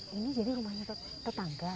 ini jadi rumahnya tetangga